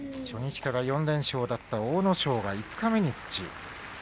初日から４連勝だった阿武咲が五日目に土。